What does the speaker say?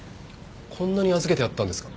こんなに預けてあったんですか？